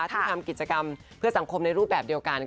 ที่ทำกิจกรรมเพื่อสังคมในรูปแบบเดียวกัน